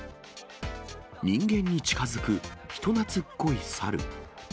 人間に近づく人なつっこい猿。